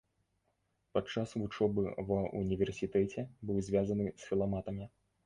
Падчас вучобы ва ўніверсітэце быў звязаны з філаматамі.